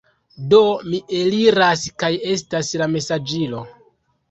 Do, mi eliras kaj estas la mesaĝilo